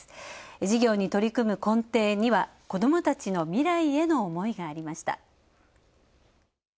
事業に取り組む根底には子どもたちの未来への思いがありました。